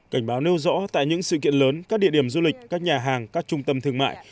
cảnh báo nêu rõ tại những sự kiện lớn các địa điểm du lịch các nhà hàng các trung tâm thương mại